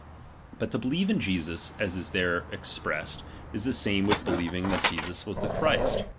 But to believe in Jesus, as is there expressed, is the same with believing that Jesus was the Christ.